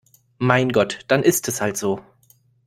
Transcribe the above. Mein Gott, dann ist es halt so!